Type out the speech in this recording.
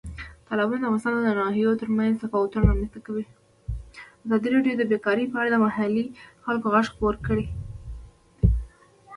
تالابونه د افغانستان د ناحیو ترمنځ تفاوتونه رامنځ ته کوي.